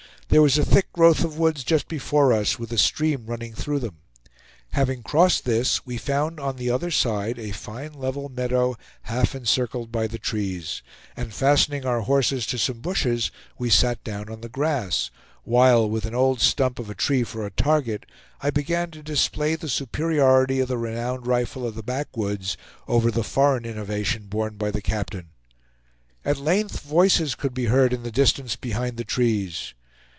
There was a thick growth of woods just before us, with a stream running through them. Having crossed this, we found on the other side a fine level meadow, half encircled by the trees; and fastening our horses to some bushes, we sat down on the grass; while, with an old stump of a tree for a target, I began to display the superiority of the renowned rifle of the back woods over the foreign innovation borne by the captain. At length voices could be heard in the distance behind the trees.